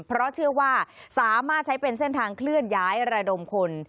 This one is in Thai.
เพราะเชื่อว่าสามารถใช้เป็นเส้นทางเคลื่อนย้ายระดมคน